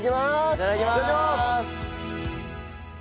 いただきます！